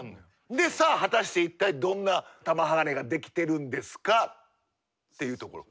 でさあ果たして一体どんな玉鋼ができてるんですかっていうところ。